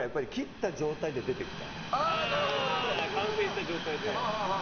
完成した状態で。